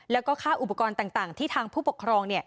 แล้วก็ค่าอุปกรณ์ต่างที่ทางผู้ปกครอง